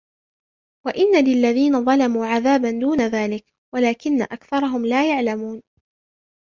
وَإِنَّ لِلَّذِينَ ظَلَمُوا عَذَابًا دُونَ ذَلِكَ وَلَكِنَّ أَكْثَرَهُمْ لَا يَعْلَمُونَ